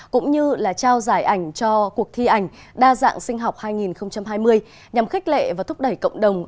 cũng như là trao giải ảnh cho cuộc thi ảnh đa dạng sinh học hai nghìn hai mươi nhằm khích lệ và thúc đẩy cộng đồng